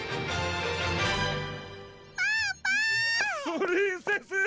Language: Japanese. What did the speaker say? プリンセス！